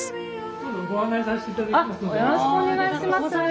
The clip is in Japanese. よろしくお願いします。